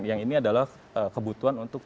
yang ini adalah kebutuhan untuk